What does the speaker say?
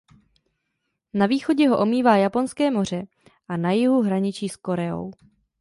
Na východě ho omývá Japonské moře a na jihu hraničí s Koreou.